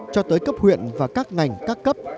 cho tới cấp huyện và các ngành các cấp